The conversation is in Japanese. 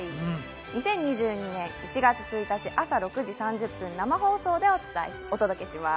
２０２２年１月１日朝６時３０分、生放送でお届けします。